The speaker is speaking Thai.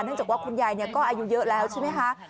จากว่าคุณยายก็อายุเยอะแล้วใช่ไหมคะ